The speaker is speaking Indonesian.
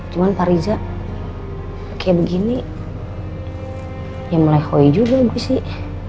cuma pak riza kayak begini ya mulai koi juga gue sih